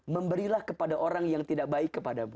memberilah kepada orang yang tidak baik kepadamu